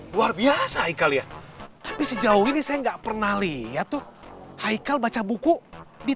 luar biasa ikal ya tapi sejauh ini saya enggak pernah lihat tuh ikal baca buku di